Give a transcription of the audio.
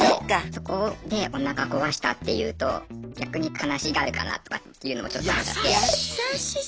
そこでおなか壊したっていうと逆に悲しがるかなとかっていうのもちょっと思っちゃって。